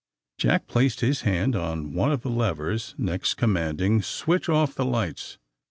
Jack placed his hand on one of the levers, next commanding :'' Switch off the lights.